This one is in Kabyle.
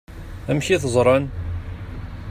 Amek i t-ẓṛan?